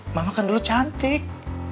mama kan dulu cantik